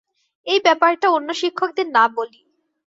এই ব্যাপারটা অন্য শিক্ষকদের না বলি।